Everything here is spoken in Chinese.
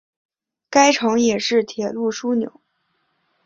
该城也是铁路枢纽。